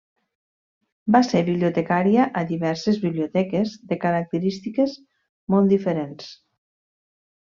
Va ser bibliotecària a diverses biblioteques de característiques molt diferents.